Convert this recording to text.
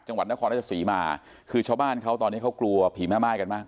จังหวัดนครราชศรีมาคือชาวบ้านเขาตอนนี้เขากลัวผีแม่ม่ายกันมาก